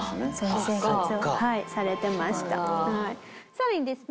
さらにですね